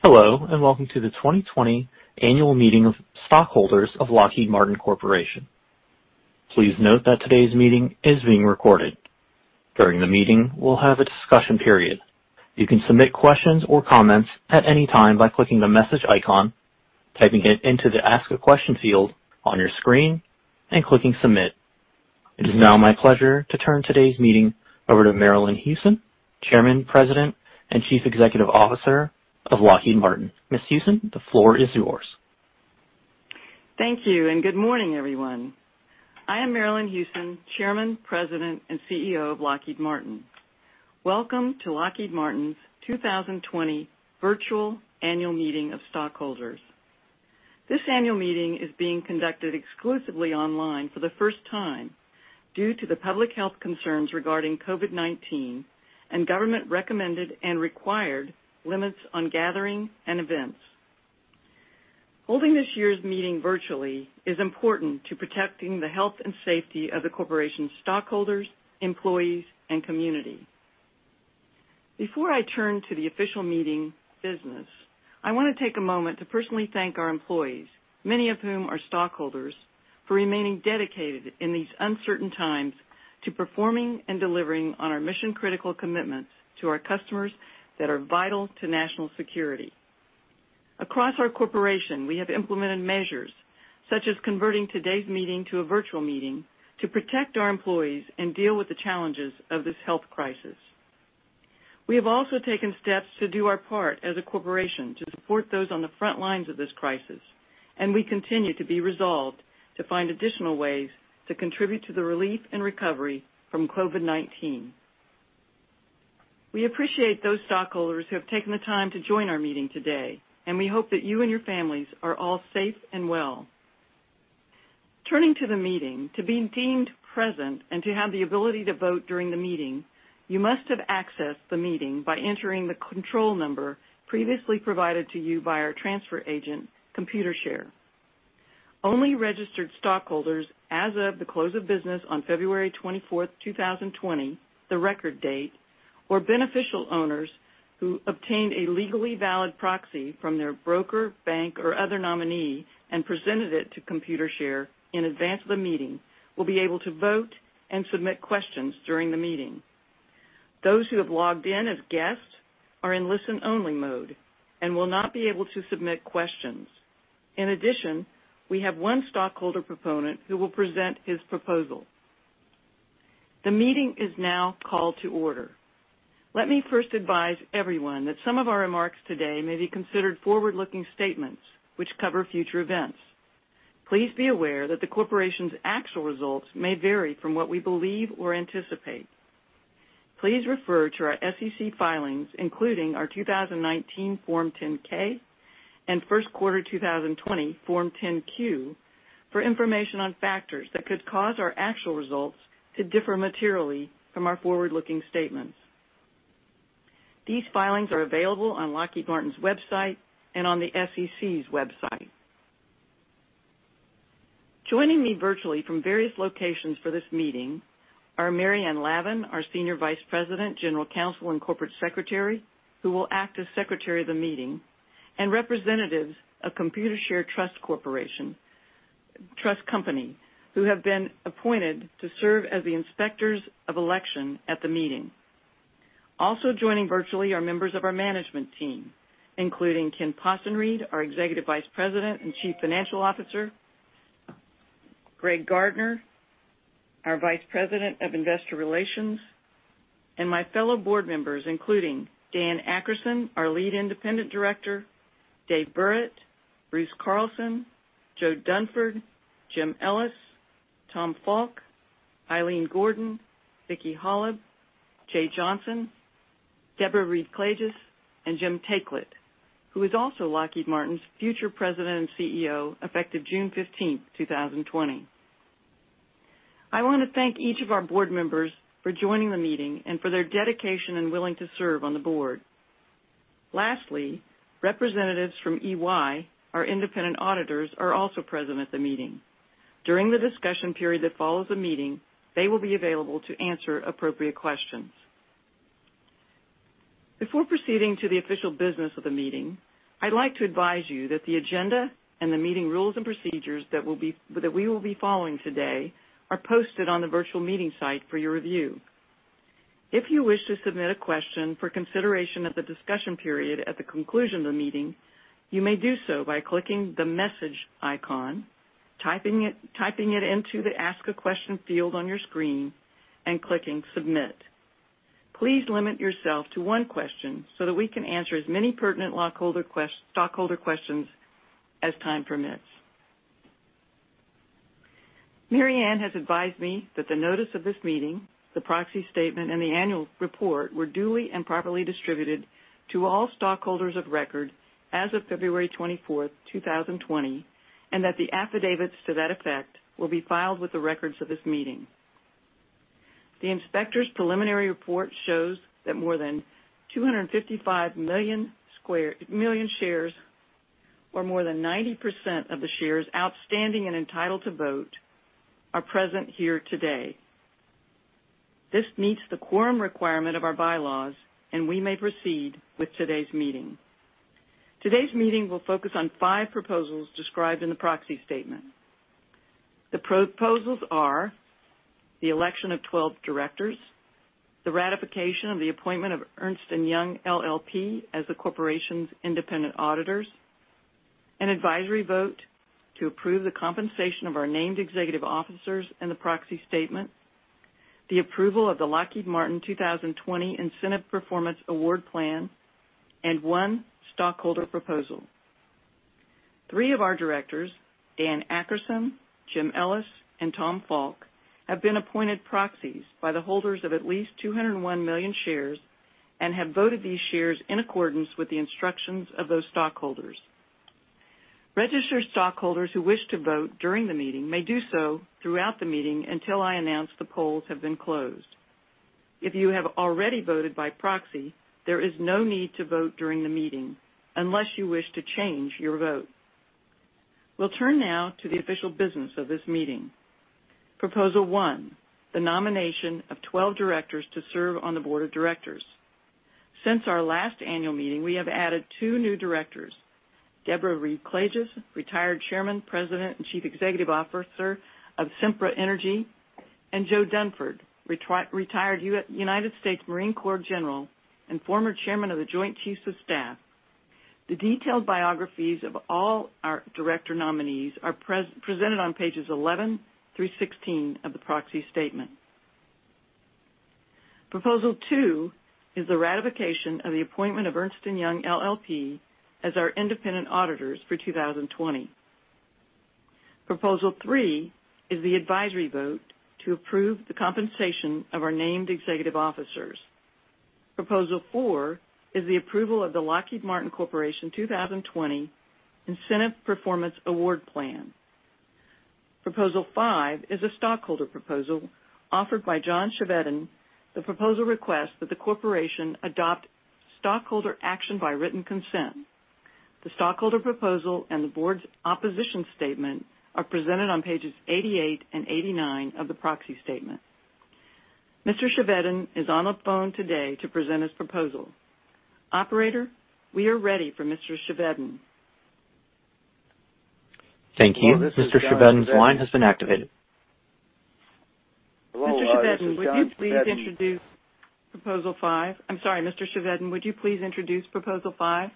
Hello, and welcome to the 2020 annual meeting of stockholders of Lockheed Martin Corporation. Please note that today's meeting is being recorded. During the meeting, we'll have a discussion period. You can submit questions or comments at any time by clicking the message icon, typing it into the Ask a Question field on your screen, and clicking Submit. It is now my pleasure to turn today's meeting over to Marillyn Hewson, Chairman, President, and Chief Executive Officer of Lockheed Martin. Ms. Hewson, the floor is yours. Thank you, and good morning, everyone. I am Marillyn Hewson, Chairman, President, and CEO of Lockheed Martin. Welcome to Lockheed Martin's 2020 virtual annual meeting of stockholders. This annual meeting is being conducted exclusively online for the first time due to the public health concerns regarding COVID-19 and government-recommended and required limits on gathering and events. Holding this year's meeting virtually is important to protecting the health and safety of the corporation's stockholders, employees, and community. Before I turn to the official meeting business, I want to take a moment to personally thank our employees, many of whom are stockholders, for remaining dedicated in these uncertain times to performing and delivering on our mission-critical commitments to our customers that are vital to national security. Across our corporation, we have implemented measures such as converting today's meeting to a virtual meeting to protect our employees and deal with the challenges of this health crisis. We have also taken steps to do our part as a corporation to support those on the front lines of this crisis, and we continue to be resolved to find additional ways to contribute to the relief and recovery from COVID-19. We appreciate those stockholders who have taken the time to join our meeting today, and we hope that you and your families are all safe and well. Turning to the meeting, to be deemed present and to have the ability to vote during the meeting, you must have accessed the meeting by entering the control number previously provided to you by our transfer agent, Computershare. Only registered stockholders as of the close of business on February 24th, 2020, the record date, or beneficial owners who obtained a legally valid proxy from their broker, bank, or other nominee and presented it to Computershare in advance of the meeting will be able to vote and submit questions during the meeting. Those who have logged in as guests are in listen-only mode and will not be able to submit questions. In addition, we have one stockholder proponent who will present his proposal. The meeting is now called to order. Let me first advise everyone that some of our remarks today may be considered forward-looking statements which cover future events. Please be aware that the corporation's actual results may vary from what we believe or anticipate. Please refer to our SEC filings, including our 2019 Form 10-K and first quarter 2020 Form 10-Q, for information on factors that could cause our actual results to differ materially from our forward-looking statements. These filings are available on Lockheed Martin's website and on the SEC's website. Joining me virtually from various locations for this meeting are Maryanne R. Lavan, our Senior Vice President, General Counsel, and Corporate Secretary, who will act as Secretary of the meeting, and representatives of Computershare Trust Company, who have been appointed to serve as the inspectors of election at the meeting. Also joining virtually are members of our management team, including Ken Possenriede, our Executive Vice President and Chief Financial Officer, Greg Gardner, our Vice President of Investor Relations, and my fellow board members, including Dan Akerson, our Lead Independent Director, Dave Burritt, Bruce Carlson, Joe Dunford, Jim Ellis, Tom Falk, Ilene Gordon, Vicki Hollub, Jeh Johnson, Debra Reed-Klages, and Jim Taiclet, who is also Lockheed Martin's future President and CEO, effective June 15th, 2020. I want to thank each of our board members for joining the meeting and for their dedication and willing to serve on the board. Lastly, representatives from EY, our independent auditors, are also present at the meeting. During the discussion period that follows the meeting, they will be available to answer appropriate questions. Before proceeding to the official business of the meeting, I'd like to advise you that the agenda and the meeting rules and procedures that we will be following today are posted on the virtual meeting site for your review. If you wish to submit a question for consideration at the discussion period at the conclusion of the meeting, you may do so by clicking the message icon, typing it into the Ask a Question field on your screen, and clicking Submit. Please limit yourself to one question so that we can answer as many pertinent stockholder questions as time permits. Maryanne has advised me that the notice of this meeting, the proxy statement, and the annual report were duly and properly distributed to all stockholders of record as of February 24th, 2020, and that the affidavits to that effect will be filed with the records of this meeting. The inspector's preliminary report shows that more than 255 million shares, or more than 90% of the shares outstanding and entitled to vote, are present here today. This meets the quorum requirement of our bylaws, and we may proceed with today's meeting. Today's meeting will focus on five proposals described in the proxy statement. The proposals are the election of 12 directors, the ratification of the appointment of Ernst & Young LLP as the corporation's independent auditors, an advisory vote to approve the compensation of our named executive officers in the proxy statement, the approval of the Lockheed Martin 2020 Incentive Performance Award Plan, and one stockholder proposal. Three of our directors, Dan Akerson, Jim Ellis, and Tom Falk, have been appointed proxies by the holders of at least 201 million shares and have voted these shares in accordance with the instructions of those stockholders. Registered stockholders who wish to vote during the meeting may do so throughout the meeting until I announce the polls have been closed. If you have already voted by proxy, there is no need to vote during the meeting unless you wish to change your vote. We'll turn now to the official business of this meeting. Proposal one, the nomination of 12 directors to serve on the board of directors. Since our last annual meeting, we have added two new directors, Debra Reed-Klages, retired chairman, president, and chief executive officer of Sempra Energy, and Joseph Dunford, retired United States Marine Corps general and former chairman of the Joint Chiefs of Staff. The detailed biographies of all our director nominees are presented on pages 11 through 16 of the proxy statement. Proposal two is the ratification of the appointment of Ernst & Young LLP as our independent auditors for 2020. Proposal three is the advisory vote to approve the compensation of our named executive officers. Proposal four is the approval of the Lockheed Martin Corporation 2020 Incentive Performance Award Plan. Proposal five is a stockholder proposal offered by John Chevedden. The proposal requests that the corporation adopt stockholder action by written consent. The stockholder proposal and the board's opposition statement are presented on pages 88 and 89 of the proxy statement. Mr. Chevedden is on the phone today to present his proposal. Operator, we are ready for Mr. Chevedden. Thank you. Mr. Chevedden's line has been activated. Mr. Chevedden, would you please introduce Proposal five? I'm sorry, Mr. Chevedden, would you please introduce Proposal five?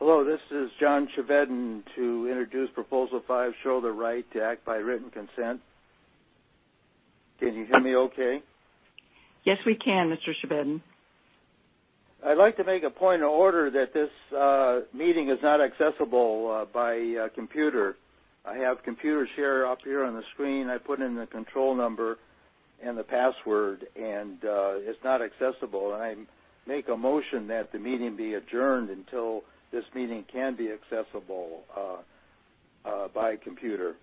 Hello, this is John Chevedden to introduce Proposal 5, Shareholder Right to Act by Written Consent. Can you hear me okay? Yes, we can, Mr. Chevedden. I'd like to make a point of order that this meeting is not accessible by computer. I have computers here up here on the screen. I put in the control number and the password, and it's not accessible, and I make a motion that the meeting be adjourned until this meeting can be accessible by computer.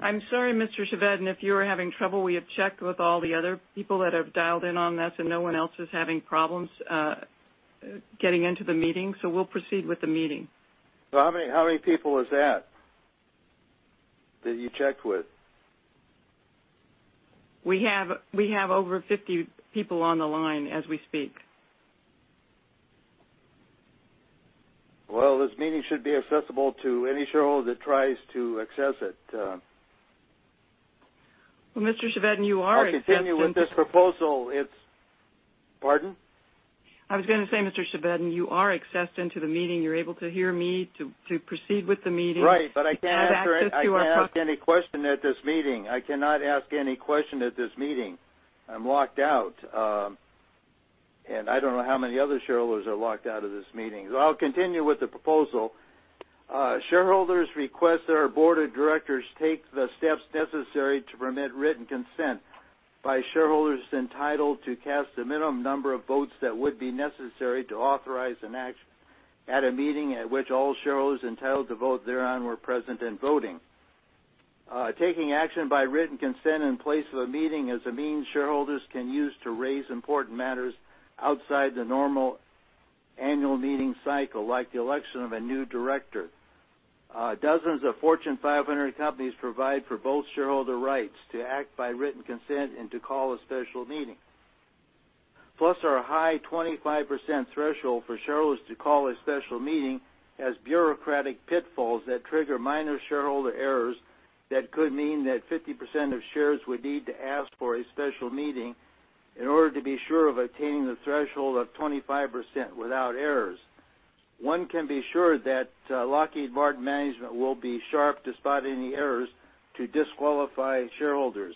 I'm sorry, Mr. Chevedden, if you are having trouble. We have checked with all the other people that have dialed in on this, and no one else is having problems getting into the meeting, so we'll proceed with the meeting. How many people is that that you checked with? We have over 50 people on the line as we speak. Well, this meeting should be accessible to any shareholder that tries to access it. Well, Mr. Chevedden, you are accessed into. I'll continue with this proposal. It's Pardon? I was going to say, Mr. Chevedden, you are accessed into the meeting. You're able to hear me, to proceed with the meeting. I can't ask any question at this meeting. I cannot ask any question at this meeting. I'm locked out. I don't know how many other shareholders are locked out of this meeting. I'll continue with the proposal. Shareholders request that our board of directors take the steps necessary to permit written consent by shareholders entitled to cast the minimum number of votes that would be necessary to authorize an action at a meeting at which all shareholders entitled to vote thereon were present and voting. Taking action by written consent in place of a meeting is a means shareholders can use to raise important matters outside the normal annual meeting cycle, like the election of a new director. Dozens of Fortune 500 companies provide for both shareholder rights to act by written consent and to call a special meeting. Our high 25% threshold for shareholders to call a special meeting has bureaucratic pitfalls that trigger minor shareholder errors that could mean that 50% of shares would need to ask for a special meeting in order to be sure of attaining the threshold of 25% without errors. One can be sure that Lockheed Martin management will be sharp to spot any errors to disqualify shareholders.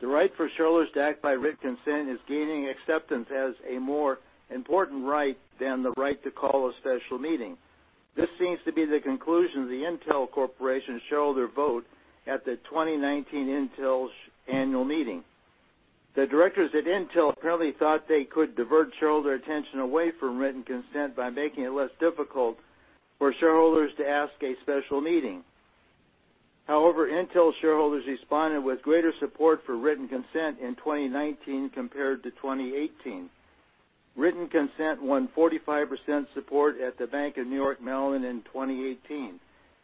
The right for shareholders to act by written consent is gaining acceptance as a more important right than the right to call a special meeting. This seems to be the conclusion of the Intel Corporation shareholder vote at the 2019 Intel annual meeting. The directors at Intel apparently thought they could divert shareholder attention away from written consent by making it less difficult for shareholders to ask a special meeting. However, Intel shareholders responded with greater support for written consent in 2019 compared to 2018. Written consent won 45% support at the Bank of New York Mellon in 2018.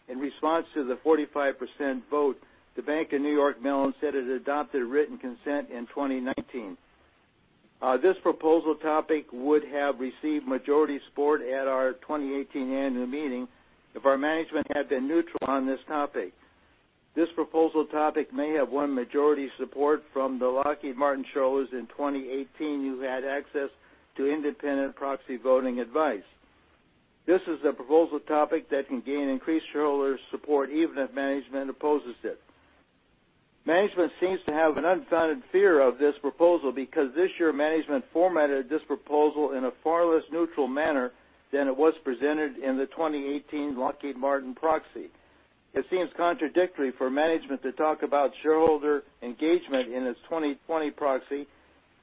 In response to the 45% vote, the Bank of New York Mellon said it adopted written consent in 2019. This proposal topic would have received majority support at our 2018 annual meeting if our management had been neutral on this topic. This proposal topic may have won majority support from the Lockheed Martin shareholders in 2018 who had access to independent proxy voting advice. This is a proposal topic that can gain increased shareholder support even if management opposes it. Management seems to have an unfounded fear of this proposal because this year, management formatted this proposal in a far less neutral manner than it was presented in the 2018 Lockheed Martin proxy. It seems contradictory for management to talk about shareholder engagement in its 2020 proxy,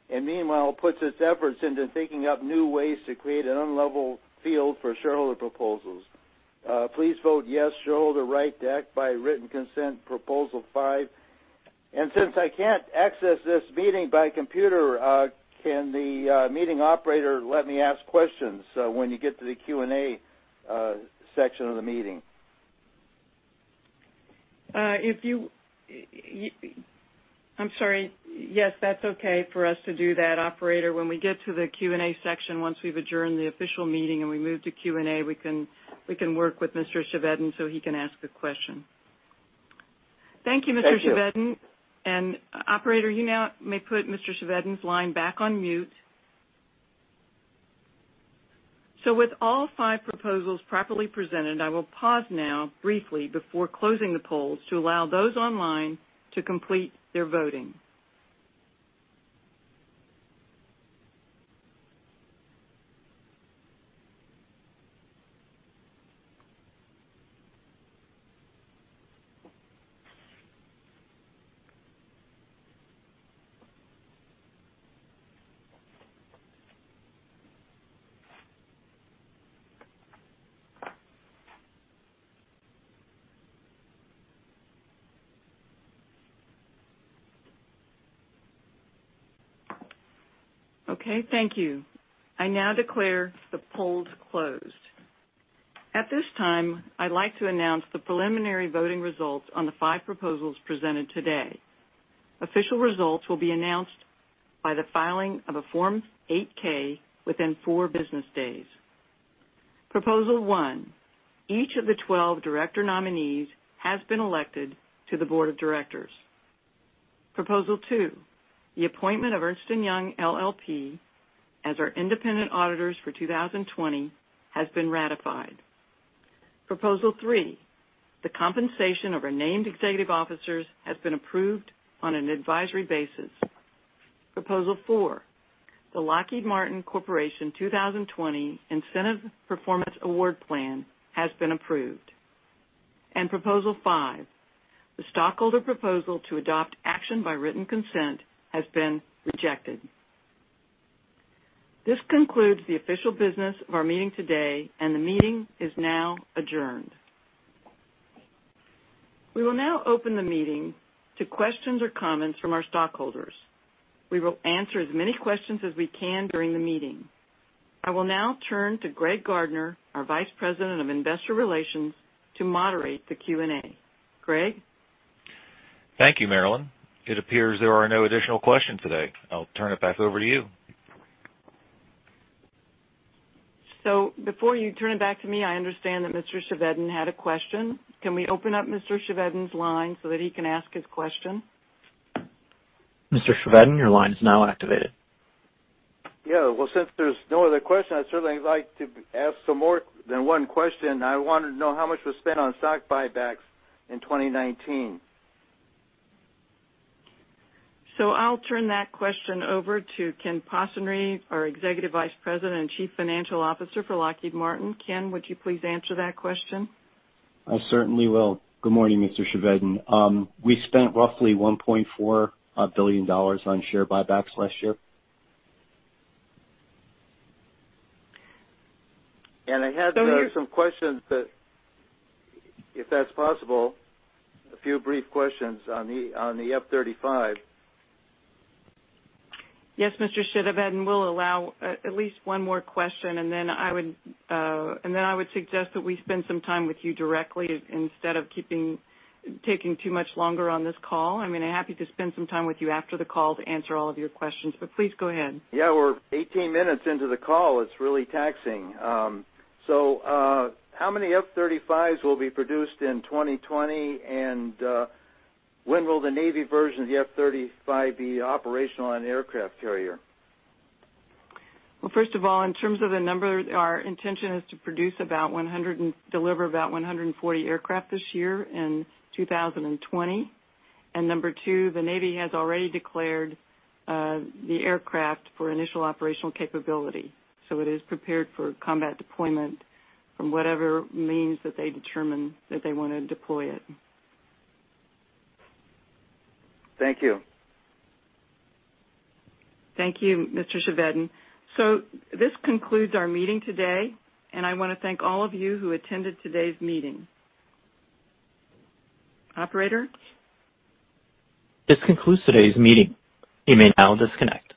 meanwhile puts its efforts into thinking up new ways to create an unlevel field for shareholder proposals. Please vote yes, shareholder right deck by written consent, proposal five. Since I can't access this meeting by computer, can the meeting operator let me ask questions when you get to the Q&A section of the meeting? Yes, that's okay for us to do that. Operator, when we get to the Q&A section, once we've adjourned the official meeting and we move to Q&A, we can work with Mr. Chevedden so he can ask a question. Thank you, Mr. Chevedden. Thank you. Operator, you now may put Mr. Chevedden's line back on mute. With all five proposals properly presented, I will pause now briefly before closing the polls to allow those online to complete their voting. Thank you. I now declare the polls closed. At this time, I'd like to announce the preliminary voting results on the five proposals presented today. Official results will be announced by the filing of a Form 8-K within four business days. Proposal one, each of the 12 director nominees has been elected to the board of directors. Proposal two, the appointment of Ernst & Young LLP as our independent auditors for 2020 has been ratified. Proposal three, the compensation of our named executive officers has been approved on an advisory basis. Proposal four, the Lockheed Martin Corporation 2020 Incentive Performance Award Plan has been approved. Proposal five, the stockholder proposal to adopt action by written consent has been rejected. This concludes the official business of our meeting today, and the meeting is now adjourned. We will now open the meeting to questions or comments from our stockholders. We will answer as many questions as we can during the meeting. I will now turn to Greg Gardner, our Vice President of Investor Relations, to moderate the Q&A. Greg? Thank you, Marillyn. It appears there are no additional questions today. I'll turn it back over to you. Before you turn it back to me, I understand that Mr. Chevedden had a question. Can we open up Mr. Chevedden's line so that he can ask his question? Mr. Chevedden, your line is now activated. Yeah. Well, since there's no other question, I'd certainly like to ask some more than one question. I wanted to know how much was spent on stock buybacks in 2019. I'll turn that question over to Ken Possenriede, our Executive Vice President and Chief Financial Officer for Lockheed Martin. Ken, would you please answer that question? I certainly will. Good morning, Mr. Chevedden. We spent roughly $1.4 billion on share buybacks last year. I had some questions that, if that's possible, a few brief questions on the F-35. Yes, Mr. Chevedden, we'll allow at least one more question, and then I would suggest that we spend some time with you directly instead of taking too much longer on this call. I'm happy to spend some time with you after the call to answer all of your questions, but please go ahead. Yeah, we're 18 minutes into the call. It's really taxing. How many F-35s will be produced in 2020, and when will the Navy version of the F-35 be operational on an aircraft carrier? Well, first of all, in terms of the number, our intention is to produce about and deliver about 140 aircraft this year in 2020. Number 2, the Navy has already declared the aircraft for initial operational capability, it is prepared for combat deployment from whatever means that they determine that they want to deploy it. Thank you. Thank you, Mr. Chevedden. This concludes our meeting today, and I want to thank all of you who attended today's meeting. Operator? This concludes today's meeting. You may now disconnect.